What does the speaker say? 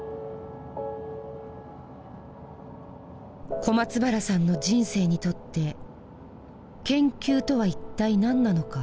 小松原さんの人生にとって「研究」とは一体何なのか。